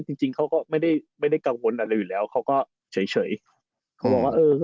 จริงจริงเขาก็ไม่ได้ไม่ได้กังวลอะไรอยู่แล้วเขาก็เฉยเฉยเขาบอกว่าเออ